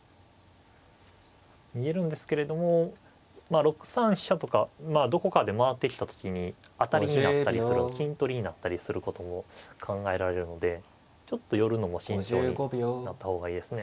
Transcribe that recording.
見えるんですけれども６三飛車とかどこかで回ってきた時に当たりになったりする金取りになったりすることも考えられるのでちょっと寄るのも慎重になった方がいいですね。